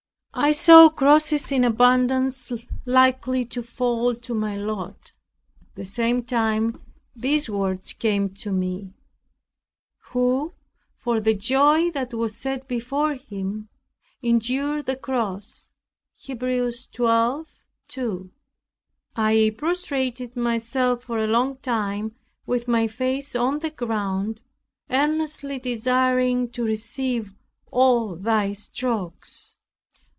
I saw crosses in abundance likely to fall to my lot. At the same time these words came, "Who for the joy that was set before him endured the cross." Heb. 12:2. I prostrated myself for a long time with my face on the ground, earnestly desiring to receive all thy strokes.